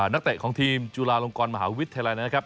นักเตะของทีมจุฬาลงกรมหาวิทยาลัยนะครับ